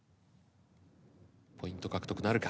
ポイント獲得なるか？